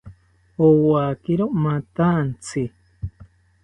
Owakiro mathantzi